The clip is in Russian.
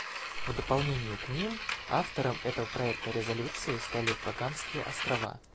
В дополнение к ним автором этого проекта резолюции стали Багамские Острова.